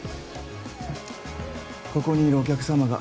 ここにいるお客様が。